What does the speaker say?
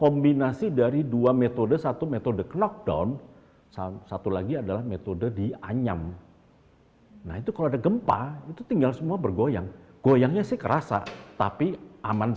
menaruh hasil hasil berburu di hutan